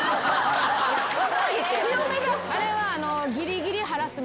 あれは。